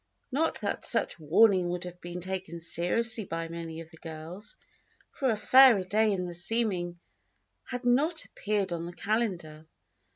Not that such warning would have been taken seriously by many of the girls, for a fairer day in the seeming had not appeared on the calendar.